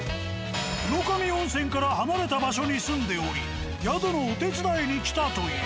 湯野上温泉から離れた場所に住んでおり宿のお手伝いに来たという。